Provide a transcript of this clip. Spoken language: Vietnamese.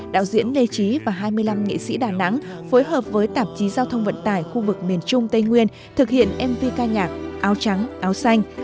đạo diễn lê trí và hai mươi năm nghệ sĩ đà nẵng phối hợp với tạp chí giao thông vận tải khu vực miền trung tây nguyên thực hiện mv ca nhạc áo trắng áo xanh